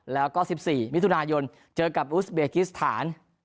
แล้วก็๑๔มิถุนายนเจอกับอุสเบกิสถาน